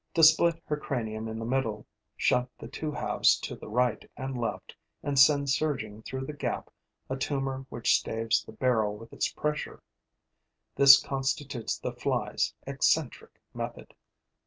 To split her cranium in the middle, shunt the two halves to the right and left and send surging through the gap a tumor which staves the barrel with its pressure: this constitutes the Fly's eccentric method.